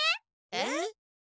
えっ？